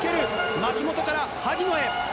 松元から萩野へ。